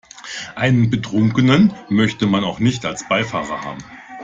Einen Betrunkenen möchte man auch nicht als Beifahrer haben.